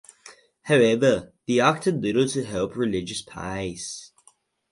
However, the Act did little to help religious peace.